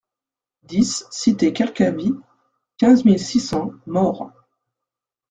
dix cité Calcavy, quinze mille six cents Maurs